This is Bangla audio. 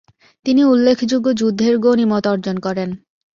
তিনি উল্লেখযোগ্য যুদ্ধের গণিমত অর্জন করেন।